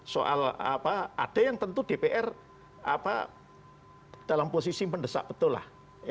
soal apa ada yang tentu dpr dalam posisi mendesak betul lah